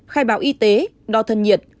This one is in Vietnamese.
khai báo y tế đo thân nhiệt